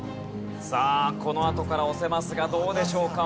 さあこのあとから押せますがどうでしょうか？